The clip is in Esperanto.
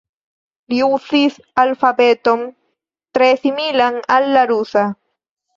Li uzis alfabeton tre similan al la rusa.